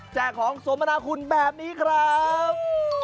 ของสมนาคุณแบบนี้ครับ